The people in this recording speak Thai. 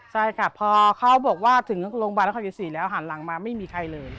ใช่ค่ะพอเขาบอกว่าถึงโรงพยาบาลนครชัยศรีแล้วหันหลังมาไม่มีใครเลย